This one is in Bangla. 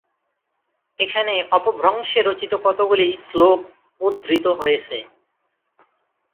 এখানে অপভ্রংশে রচিত কতগুলি শ্লোক উদ্ধৃত হয়েছে।